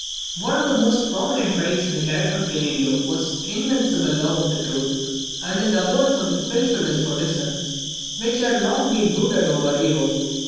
One of the most prominent traits in the character of Galileo was his invincible love of truth, and his abhorrence of that spiritual despotism which had so long brooded over Europe.